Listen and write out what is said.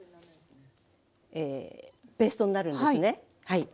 ペーストになるんですねはい。